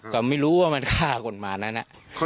ก็ไม่รู้ว่ามันฆ่าคนมานั้น